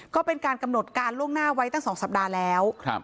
ก็เป็นการกำหนดการล่วงหน้าไว้ตั้ง๒สัปดาห์แล้ว